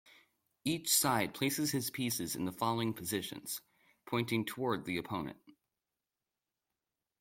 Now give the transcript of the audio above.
Each side places his pieces in the following positions, pointing toward the opponent.